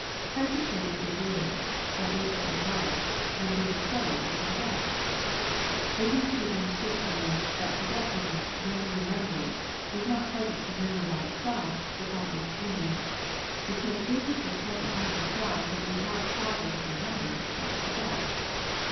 \ Present then it is, that we forget not, and being so, we forget. It is to be understood from this, that forgetfulness, when we re ' member it, is not present to the memory by itself, but b)' its image : because if it were present by itself, it would not • cause us to remember, but to forget.